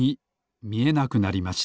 みえなくなりました。